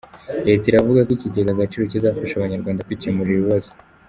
Leta iravuga ko Ikigega Agaciro kizafasha Abanyarwanda kwikemurira ibibazo